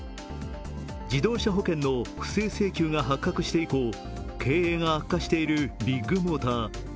自動車保険の不正請求が発覚して以降、経営が悪化しているビッグモーター。